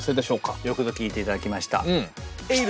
よくぞ聞いていただきました。